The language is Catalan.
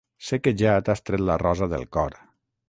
Sé que ja t'has tret la Rosa del cor.